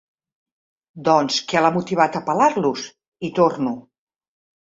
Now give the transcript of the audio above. Doncs què l'ha motivat a pelar-los? —hi torno.